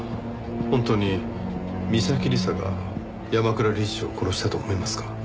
本当に三崎理沙が山倉理事長を殺したと思いますか？